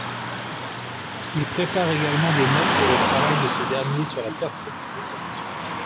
Il prépare également des notes pour le travail de ce dernier sur la perspective.